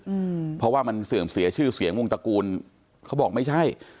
อืมเพราะว่ามันเสื่อมเสียชื่อเสียงวงตระกูลเขาบอกไม่ใช่